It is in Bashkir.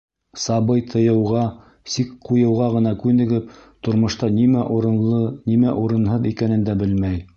Сабый тыйыуға, сик ҡуйыуға ғына күнегеп, тормошта нимә урынлы, нимә урынһыҙ икәнен дә белмәй.